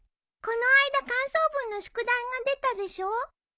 この間感想文の宿題が出たでしょ？